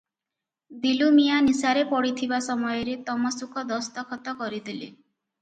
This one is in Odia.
ଦିଲୁମିଆଁ ନିଶାରେ ପଡ଼ିଥିବା ସମୟରେ ତମସୁକ ଦସ୍ତଖତ କରିଦେଲେ ।